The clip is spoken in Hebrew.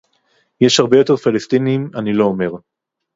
יש הרבה יותר פלסטינים - אני לא אומר